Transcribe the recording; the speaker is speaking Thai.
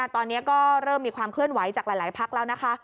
ตอนนี้ก็เริ่มมีความเคลื่อนไหวจากหลายพักแล้วนะคะ